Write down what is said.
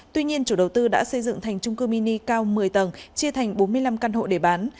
tuy nhiên chủ đầu tư đã xây dựng thành trung cư mini cao một mươi tầng chia thành bốn mươi năm căn hộ để bán